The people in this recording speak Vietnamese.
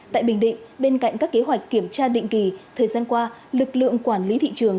tại bình định bên cạnh các kế hoạch kiểm tra định kỳ thời gian qua lực lượng quản lý thị trường